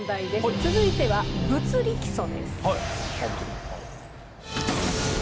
続いては「物理基礎」です。